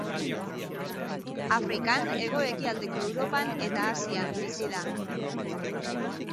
Afrikan, hego-ekialdeko Europan eta Asian bizi da.